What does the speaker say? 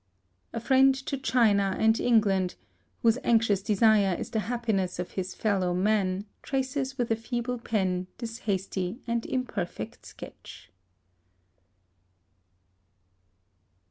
A friend to China and England, whose anxious desire is the happiness of his fellow men, traces with a feeble pen this hasty and imperfect sketch.